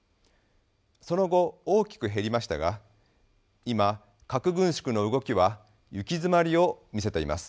その後大きく減りましたが今核軍縮の動きは行き詰まりを見せています。